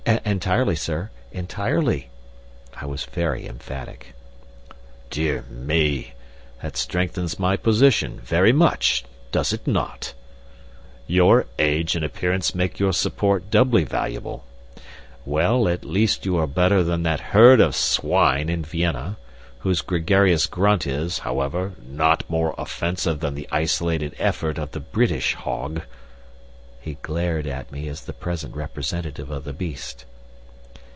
"Entirely, sir entirely!" I was very emphatic. "Dear me! That strengthens my position very much, does it not? Your age and appearance make your support doubly valuable. Well, at least you are better than that herd of swine in Vienna, whose gregarious grunt is, however, not more offensive than the isolated effort of the British hog." He glared at me as the present representative of the beast.